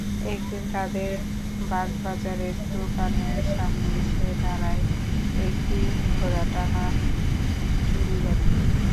একদিন তাঁদের বাগবাজারের দোকানের সামনে এসে দাঁড়ায় একটি ঘোড়া টানা জুড়ি গাড়ি।